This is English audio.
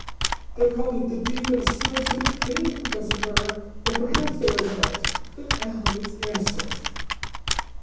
"They called it the deed of a scientific fiend, Professor Burr, and perhaps they are right. But Allen is innocent."